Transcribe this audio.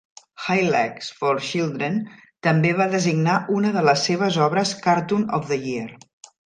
Highlights for Children també va designar una de les seves obres "Cartoon of the Year".